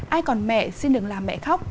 ai còn mẹ xin đừng làm mẹ khóc